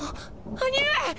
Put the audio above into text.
兄上！